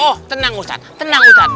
oh tenang ustadz